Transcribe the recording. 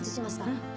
うん。